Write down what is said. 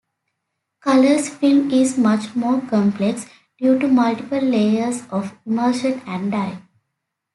Color film is much more complex due to multiple layers of emulsion and dye.